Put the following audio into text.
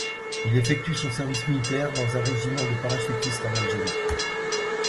Il effectue son service militaire dans un régiment de parachutistes en Algérie.